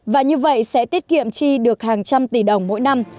và như vậy sẽ tiết kiệm chi được hàng trăm tỷ đồng mỗi năm